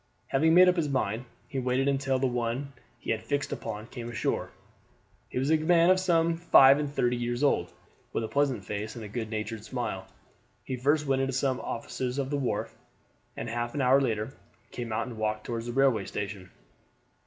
Having made up his mind, he waited until the one he had fixed upon came ashore. He was a man of some five and thirty years old, with a pleasant face and good natured smile. He first went into some offices on the wharf, and half an hour later came out and walked toward the railway station.